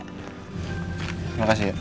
terima kasih ya